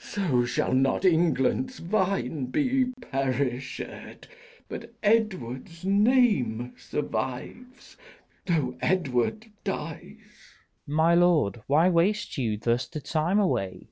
So shall not England's vine be perished, But Edward's name survive, though Edward dies. Leices. My lord, why waste you thus the time away?